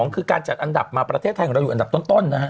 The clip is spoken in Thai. คือการจัดอันดับมาประเทศไทยอยู่อันดับต้น